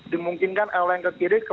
dimungkinkan oleng ke kiri